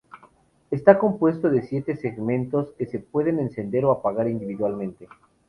Está compuesto de siete segmentos que se pueden encender o apagar individualmente.